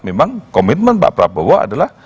memang komitmen pak prabowo adalah